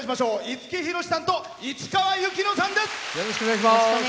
五木ひろしさんと市川由紀乃さんです。